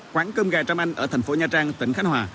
quán cơm gà trăm anh ở tp nha trang tỉnh khánh hòa